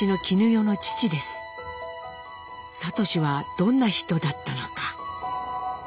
智はどんな人だったのか？